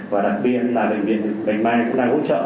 và đặc biệt là bệnh viện bạch mai cũng đang hỗ trợ